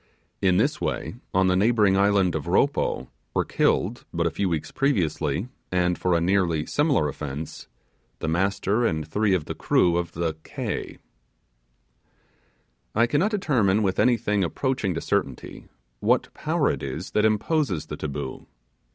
In this way, on the neighbouring island of Ropo, were killed, but a few weeks previously, and for a nearly similar offence, the master and three of the crew of the K . I cannot determine with anything approaching to certainty, what power it is that imposes the taboo.